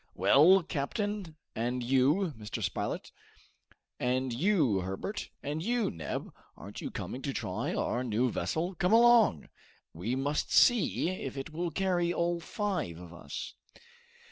Well, captain and you, Mr. Spilett; and you, Herbert; and you, Neb aren't you coming to try our new vessel? Come along! we must see if it will carry all five of us!"